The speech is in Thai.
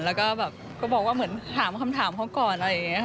แล้วก็แบบก็บอกว่าเหมือนถามคำถามเขาก่อนอะไรอย่างนี้ค่ะ